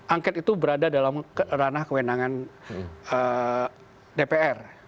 angket itu berada dalam ranah kewenangan dpr